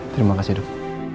terima kasih dong